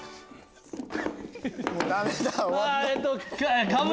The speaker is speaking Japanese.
ダメだ。